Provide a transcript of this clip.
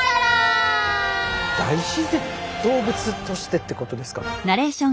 動物としてってことですか？